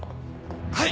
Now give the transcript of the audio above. はい！